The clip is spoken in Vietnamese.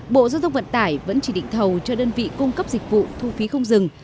bộ giao thông vận tải vẫn chỉ định thầu cho đơn vị cung cấp dịch vụ thu phí không dừng